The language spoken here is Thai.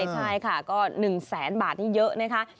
ใช่ค่ะก็๑๐๐๐๐๐บาทที่เยอะ